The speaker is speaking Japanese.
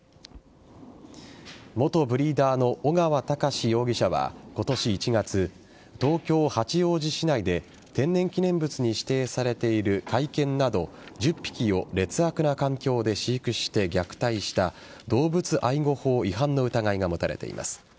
元ブリーダーの尾川隆容疑者は今年１月、東京・八王子市内で天然記念物に指定されている甲斐犬など１０匹を劣悪な環境で飼育して虐待した動物愛護法違反の疑いが持たれています。